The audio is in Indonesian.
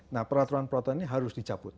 nah peraturan peraturan ini harus dicabut